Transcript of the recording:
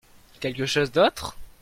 Quelque chose d'autre ?